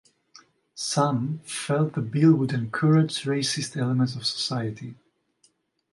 Some felt the bill would encourage racist elements of society.